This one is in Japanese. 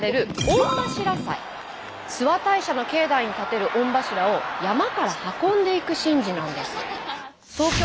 諏訪大社の境内に立てる御柱を山から運んでいく神事なんです。